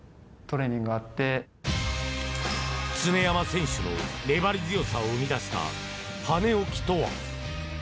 常山選手の粘り強さを生み出した羽置きとは？